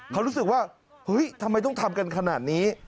เขารู้สึกว่าเฮ้ยทำไมต้องทำกันขนาดนี้